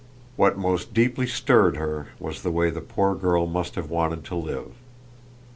What most deeply stirred her was the way the poor girl must have wanted to live.